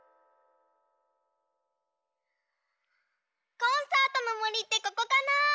コンサートのもりってここかな？